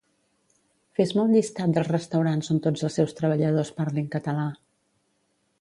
Fes-me un llistat dels restaurants on tots els seus treballadors parlin català